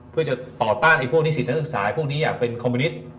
เพื่อสิทธิ์สิทธิศึกษาหรือคนอื่นอย่างคอมมิวนิสต์